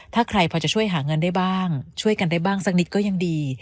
ถ้าใครพอจะช่วยหาเงินได้บ้างช่วยกันได้บ้างสักนิดก็ยังดี